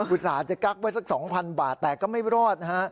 อุตส่าห์จะกักไว้สัก๒๐๐บาทแต่ก็ไม่รอดนะฮะ